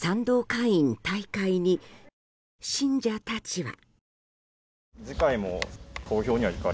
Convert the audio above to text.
会員退会に信者たちは。